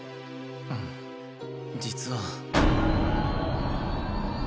うん実は。